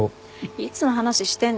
いつの話してんの。